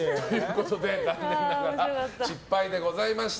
残念ながら失敗でございました。